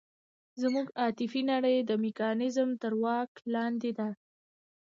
زموږ عاطفي نړۍ د میکانیزم تر واک لاندې ده.